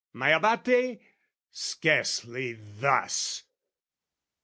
My Abate, scarcely thus!